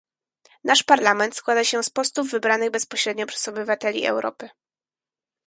Nasz Parlament składa się z posłów wybranych bezpośrednio przez obywateli Europy